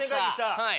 はい！